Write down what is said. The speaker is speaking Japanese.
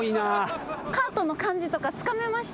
カートの感じとかつかめました？